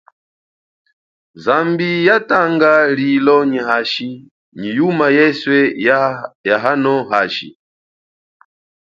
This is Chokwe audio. Zambi ya tanga lilo nyi hashi nyi yuma yeswe ya hano hashi.